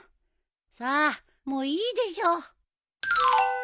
さあもういいでしょ。